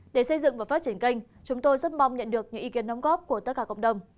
để xây dựng và phát triển kênh chúng tôi rất mong nhận được những ý kiến đóng góp của tất cả cộng đồng